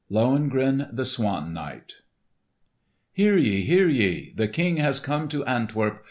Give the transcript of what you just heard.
*Lohengrin the Swan Knight* (Lohengrin) "Hear ye! hear ye! The King has come to Antwerp!